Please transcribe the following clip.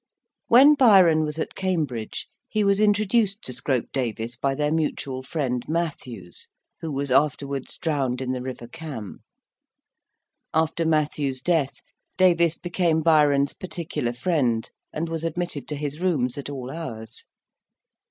When Byron was at Cambridge, he was introduced to Scrope Davis by their mutual friend, Matthews, who was afterwards drowned in the river Cam. After Matthews's death, Davis became Byron's particular friend, and was admitted to his rooms at all hours.